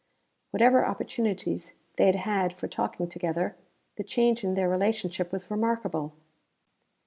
Whatever opportunities they had had for talking together, the change in their relationship was remarkable.